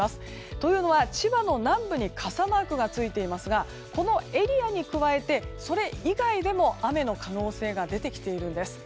というのは、千葉の南部に傘マークがついていますがこのエリアに加えてそれ以外でも雨の可能性が出てきているんです。